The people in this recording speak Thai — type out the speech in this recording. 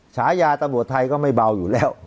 ฉายาตำรวจไทยก็ไม่เบาอยู่แล้ว